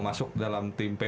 masuk dalam tim pb itu